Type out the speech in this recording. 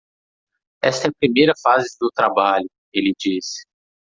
"Esta é a primeira fase do trabalho?" ele disse.